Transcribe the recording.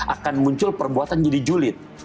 akan muncul perbuatan jadi julid